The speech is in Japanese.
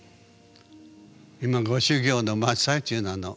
今ご修行の真っ最中なの。